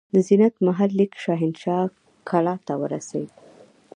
د زینت محل لیک شاهنشاه کلا ته ورسېد.